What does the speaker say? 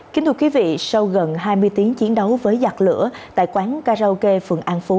kính thưa quý vị sau gần hai mươi tiếng chiến đấu với giặt lửa tại quán karaoke phường an phú